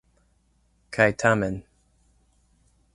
Kaj tamen.